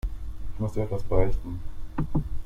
Ich muss dir etwas beichten.